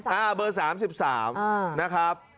เบอร์๓๓นะครับ